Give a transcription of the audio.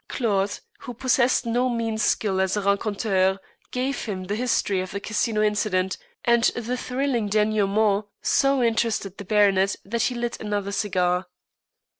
Claude, who possessed no mean skill as a raconteur, gave him the history of the Casino incident, and the thrilling dénouement so interested the baronet that he lit another cigar.